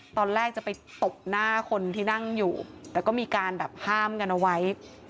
ตอนแรกจะไปตบหน้าคนที่นั่งอยู่แต่ก็มีการแบบห้ามกันเอาไว้